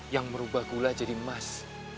yang merubah gula jadi emas